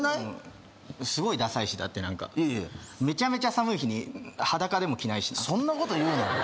すごいダサいしだってなんかいやいやめちゃめちゃ寒い日に裸でも着ないしそんなこと言うなよ